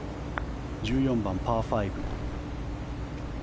１４番、パー５。